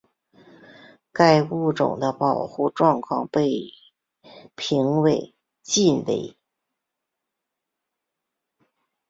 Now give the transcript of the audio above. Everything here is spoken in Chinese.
该物种的保护状况被评为近危。